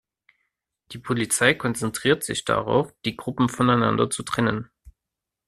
Die Polizei konzentriert sich darauf, die Gruppen voneinander zu trennen.